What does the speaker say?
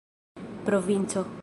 provinco